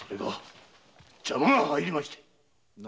邪魔が入りまして。